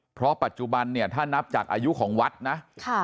เพราะปัจจุบันเนี่ยถ้านับจากอายุของวัดนะ